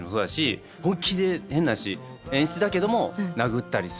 本気で変な話演出だけども殴ったりするし。